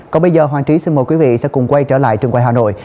còn bây giờ hoàng trí xin mời quý vị sẽ cùng quay trở lại trường quay hà nội